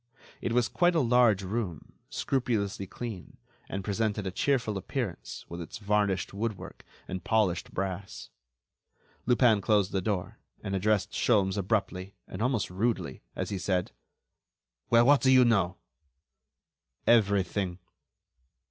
It was quite a large room, scrupulously clean, and presented a cheerful appearance with its varnished woodwork and polished brass. Lupin closed the door and addressed Sholmes abruptly, and almost rudely, as he said: "Well, what do you know?" "Everything."